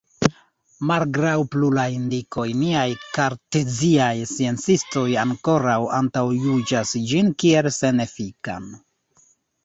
Malgraŭ pluraj indikoj, niaj karteziaj sciencistoj ankoraŭ antaŭjuĝas ĝin kiel senefikan.